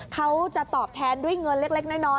เขาจะตอบแทนด้วยเงินเล็กน้อย